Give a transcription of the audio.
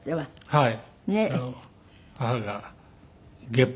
はい。